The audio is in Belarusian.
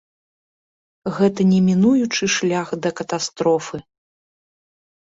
Гэта немінучы шлях да катастрофы.